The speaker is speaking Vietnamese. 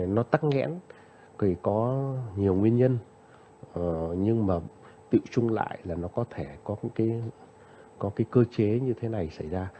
nó tắc nghẽn thì có nhiều nguyên nhân nhưng mà tự trung lại là nó có thể có cái có cái cơ chế như thế này xảy ra